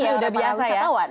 iya udah biasa ya